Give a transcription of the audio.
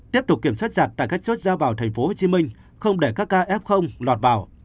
tiếp tục kiểm soát chặt tại các chốt ra vào tp hcm không để các ca f lọt vào